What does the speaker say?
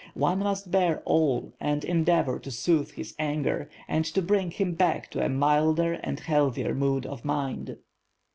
One must bear all and endeavor to soothe his anger, and to bring him back to a "milder and healthier mood of mind."